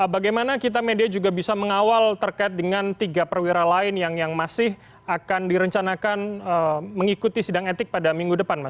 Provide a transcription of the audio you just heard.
bagaimana kita media juga bisa mengawal terkait dengan tiga perwira lain yang masih akan direncanakan mengikuti sidang etik pada minggu depan